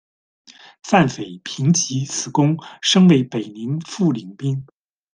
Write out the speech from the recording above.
范绯凭藉此功升为北宁副领兵。